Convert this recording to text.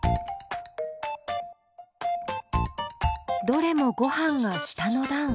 どれもごはんが下の段。